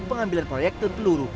pengambilan proyek terpeluru